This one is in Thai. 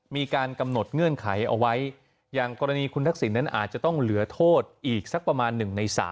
มีการกำหนดเงื่อนไขเอาไว้อย่างกรณีคุณทักษิณนั้นอาจจะต้องเหลือโทษอีกสักประมาณ๑ใน๓